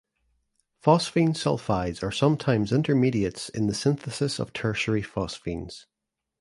Phosphine sulfides are sometimes intermediates in the synthesis of tertiary phosphines.